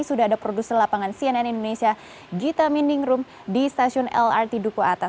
sudah ada produser lapangan cnn indonesia gita miningrum di stasiun lrt duku atas